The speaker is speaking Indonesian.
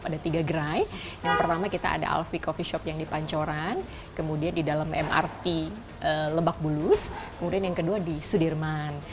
ada tiga gerai yang pertama kita ada alfie coffee shop yang di pancoran kemudian di dalam mrt lebak bulus kemudian yang kedua di sudirman